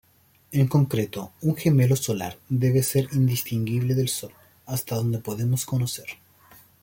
En concreto, un gemelo solar debe ser indistinguible del Sol hasta donde podemos conocer.